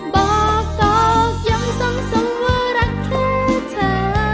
บอกต่อจำสมสมว่ารักแค่เธอ